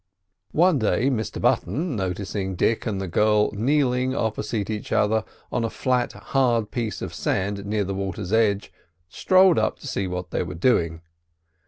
One day Mr Button, noticing Dick and the girl kneeling opposite each other on a flat, hard piece of sand near the water's edge, strolled up to see what they were doing.